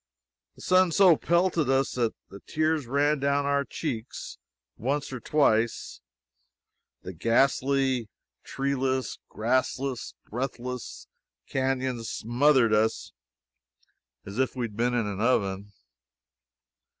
The sun so pelted us that the tears ran down our cheeks once or twice. The ghastly, treeless, grassless, breathless canons smothered us as if we had been in an oven.